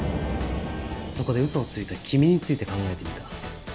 そこで嘘をついた君について考えてみた。